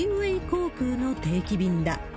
航空の定期便だ。